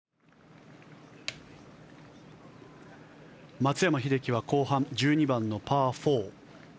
松山英樹は後半１２番のパー４。